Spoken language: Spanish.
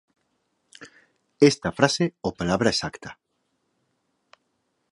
Esta frase o palabra exacta: